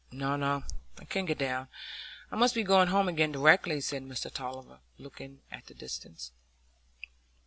"No, no; I can't get down. I must be going home again directly," said Mr Tulliver, looking at the distance.